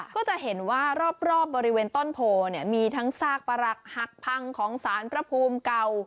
ก็จะเห็นว่ารอบบริเวณต้นโพเนี่ยมีทั้งซากปรักหักพังของสารพระภูมิเก่า